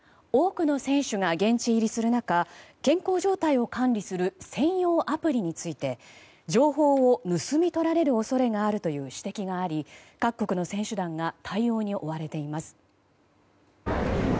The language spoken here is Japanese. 多くの選手が現地入りする中健康状態を管理する専用アプリについて情報を盗み取られる恐れがあるという指摘があり各国の選手団が対応に追われています。